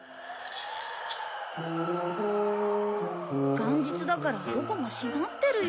元日だからどこも閉まってるよ。